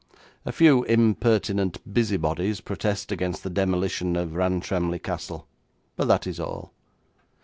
A few impertinent busybodies protest against the demolition of Rantremly Castle, but that is all.'